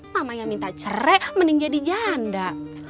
mamanya minta cerai mending jadi janda